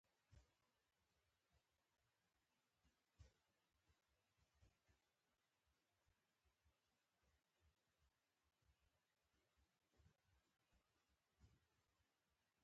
موږ به نن شپه ټلویزیون وګورو